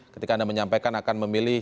ketika anda menyampaikan akan memilih